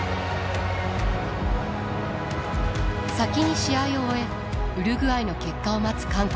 先に試合を終えウルグアイの結果を待つ韓国。